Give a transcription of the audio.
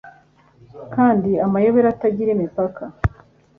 Kandi amayobera atagira imipaka